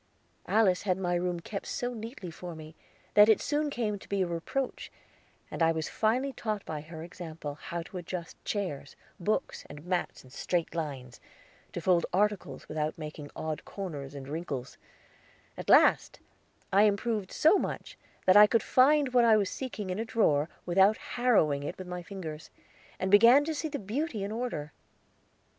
Alice had my room kept so neatly for me that it soon came to be a reproach, and I was finally taught by her example how to adjust chairs, books, and mats in straight lines, to fold articles without making odd corners and wrinkles; at last I improved so much that I could find what I was seeking in a drawer, without harrowing it with my fingers, and began to see beauty in order.